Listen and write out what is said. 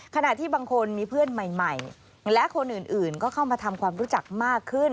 ขณะที่บางคนมีเพื่อนใหม่และคนอื่นก็เข้ามาทำความรู้จักมากขึ้น